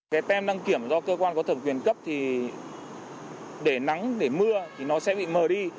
cái tem đăng kiểm do cơ quan có thẩm quyền cấp thì để nắng để mưa thì nó sẽ bị mờ đi